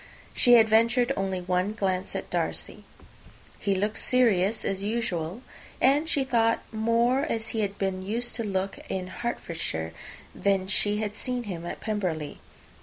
She had ventured only one glance at Darcy. He looked serious as usual; and, she thought, more as he had been used to look in Hertfordshire, than as she had seen him at Pemberley.